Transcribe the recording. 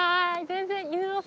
全然。